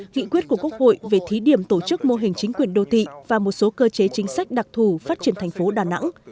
nghị quyết của quốc hội về thí điểm tổ chức mô hình chính quyền đô thị và một số cơ chế chính sách đặc thù phát triển thành phố đà nẵng